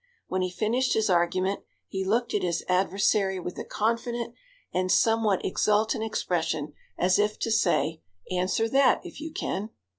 When he finished his argument, he looked at his adversary with a confident and somewhat exultant expression, as if to say, "Answer that if you can."